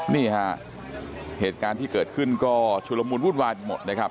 นี่ฮะเหตุการณ์ที่เกิดขึ้นก็ชุลมูลวุ่นวายไปหมดนะครับ